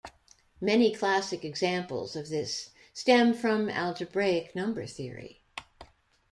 Many classic examples of this stem from algebraic number theory.